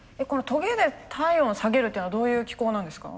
トゲで体温を下げるっていうのはどういう機構なんですか？